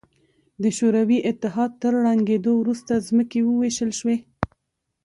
د شوروي اتحاد تر ړنګېدو وروسته ځمکې ووېشل شوې.